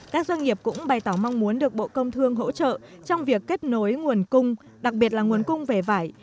các doanh nghiệp cũng bày tỏ mong muốn được bộ công thương hỗ trợ trong việc kết nối nguồn cung đặc biệt là nguồn cung về vải